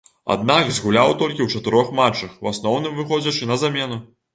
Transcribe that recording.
Аднак, згуляў толькі ў чатырох матчах, у асноўным выходзячы на замену.